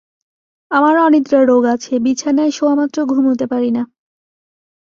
আমার অনিদ্রা রোগ আছে, বিছানায় শোয়ামাত্র ঘুমুতে পারি না।